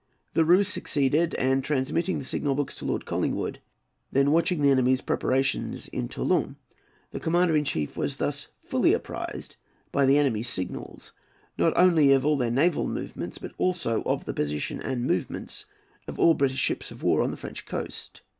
The ruse succeeded, and, transmitting the signal books to Lord Collingwood, then watching the enemy's preparations in Toulon, the commander in chief was thus fully apprised, by the enemy's signals, not only of all their naval movements, but also of the position and movements of all British ships of war on the French coast.